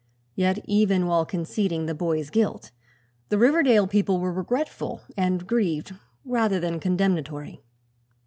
Yet, even while conceding the boy's guilt, the Riverdale people were regretful and grieved rather than condemnatory.